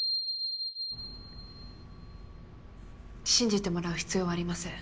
信じてもらう必要はありません。